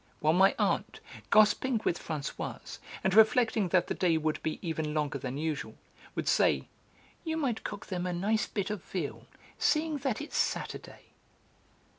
while my aunt, gossiping with Françoise, and reflecting that the day would be even longer than usual, would say, "You might cook them a nice bit of veal, seeing that it's Saturday."